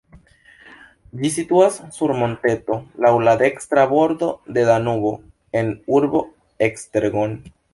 Ĝi situas sur monteto laŭ la dekstra bordo de Danubo en urbo Esztergom.